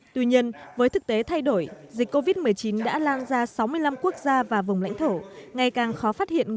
tuy nhiên với thực tế thay đổi dịch covid một mươi chín đã được tập dượt qua thực tế